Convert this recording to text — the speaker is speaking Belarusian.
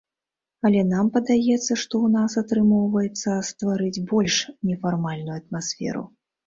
Але нам падаецца, што ў нас атрымоўваецца стварыць больш нефармальную атмасферу.